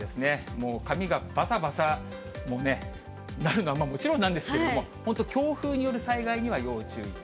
もう髪がばさばさなるのはもちろんなんですけども、ほんと、強風による災害には要注意。